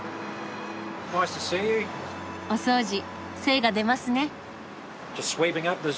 お掃除精が出ますね。